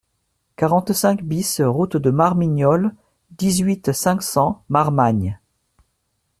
quarante-cinq BIS route de Marmignolles, dix-huit, cinq cents, Marmagne